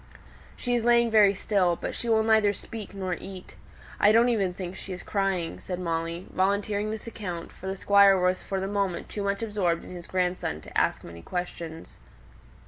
"She is lying very still, but she will neither speak nor eat. I don't even think she is crying," said Molly, volunteering this account, for the Squire was for the moment too much absorbed in his grandson to ask many questions.